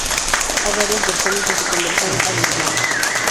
Hay varias versiones de su conversión al islam.